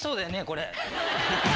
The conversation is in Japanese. これ。